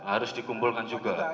harus dikumpulkan juga